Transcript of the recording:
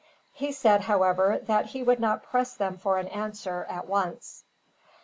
He said, however, that he would not press them for an answer, at once.